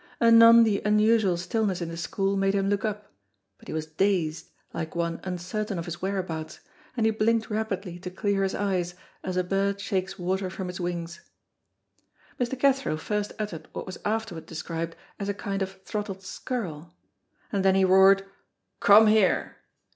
Anon the unusual stillness in the school made him look up, but he was dazed, like one uncertain of his whereabouts, and he blinked rapidly to clear his eyes, as a bird shakes water from its wings. Mr. Cathro first uttered what was afterward described as a kind of throttled skirl, and then he roared "Come here!"